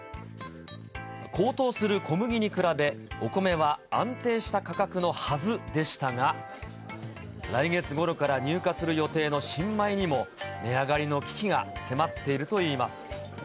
高騰する小麦に比べ、お米は安定した価格のはずでしたが、来月ごろから入荷する予定の新米にも、値上がりの危機が迫っているといいます。